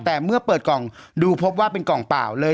แต่เมื่อเปิดกล่องดูพบว่าเป็นกล่องเปล่าเลย